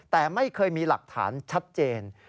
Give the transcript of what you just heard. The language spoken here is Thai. แต่ไม่เคยมีหลักฐานชัดเจน